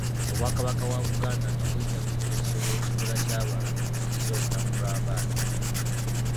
Obwakabaka bwa Buganda nga buyita mu Minisitule y’ekikula ky’abantu bukuzizza olunaku lw’abaana.